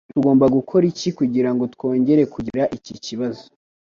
Tugomba gukora iki kugirango twongere kugira iki kibazo?